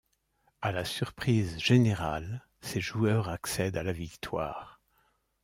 À la surprise générale, ses joueurs accèdent à la victoire.